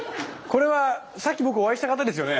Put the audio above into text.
これはさっき僕お会いした方ですよね？